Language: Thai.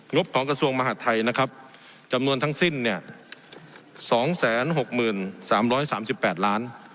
งบของกระทรวงมหาภัยจำนวนทั้งสิ้น๒๖๓๓๘ล้าน